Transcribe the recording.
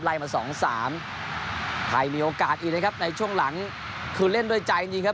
ไล่มา๒๓ไทยมีโอกาสอีกนะครับในช่วงหลังคือเล่นด้วยใจจริงครับ